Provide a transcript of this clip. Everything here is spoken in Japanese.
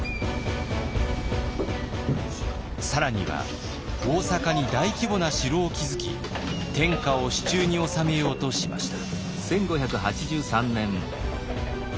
更には大坂に大規模な城を築き天下を手中に収めようとしました。